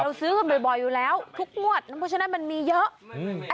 ซื้อกันบ่อยอยู่แล้วทุกงวดเพราะฉะนั้นมันมีเยอะอืม